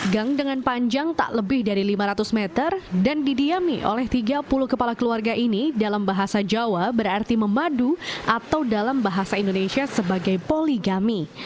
gang dengan panjang tak lebih dari lima ratus meter dan didiami oleh tiga puluh kepala keluarga ini dalam bahasa jawa berarti memadu atau dalam bahasa indonesia sebagai poligami